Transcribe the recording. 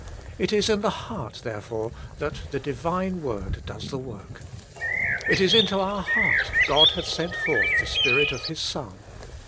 It is in the heart, therefore, that the Divine Word does the work. It is into our heart God hath sent forth the Spirit of His Son.